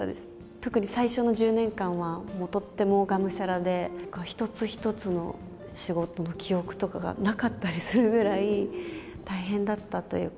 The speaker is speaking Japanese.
特に最初の１０年間は、もうとってもがむしゃらで、一つ一つの仕事の記憶とかがなかったりするぐらい、大変だったというか。